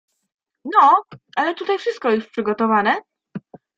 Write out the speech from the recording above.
"No, ale tutaj wszystko już przygotowane?"